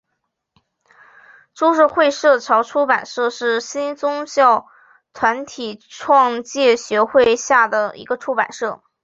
株式会社潮出版社是新宗教团体创价学会下的一个出版社。